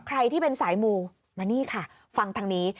ใครที่เป็นสายมูมานี่ค่ะฟังทางนี้